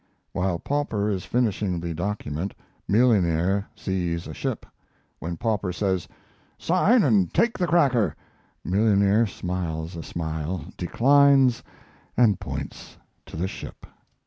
While pauper is finishing the document millionaire sees a ship. When pauper says, "Sign and take the cracker," millionaire smiles a smile, declines, and points to the ship.